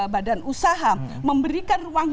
badan usaha memberikan ruang